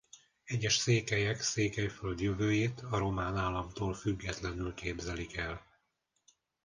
Egyes székelyek Székelyföld jövőjét a román államtól függetlenül képzelik el.